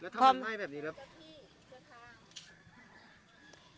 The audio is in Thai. ถ้ามันไหม้แบบนี้แล้ว